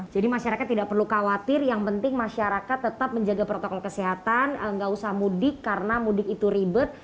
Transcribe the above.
jadi masyarakat tidak perlu khawatir yang penting masyarakat tetap menjaga protokol kesehatan nggak usah mudik karena mudik itu ribet